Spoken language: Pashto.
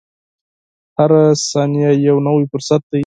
• هره ثانیه یو نوی فرصت دی.